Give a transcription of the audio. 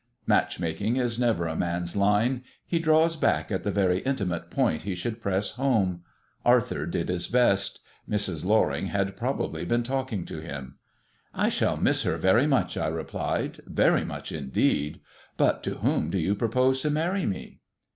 Matchmaking is never a man's line; he draws back at the very intimate point he should press home. Arthur did his best. Mrs. Loring had probably been talking to him. "I shall miss her very much," I replied, "very much indeed; but to whom do you propose to marry me?"